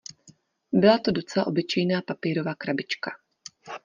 Byla to docela obyčejná papírová krabička.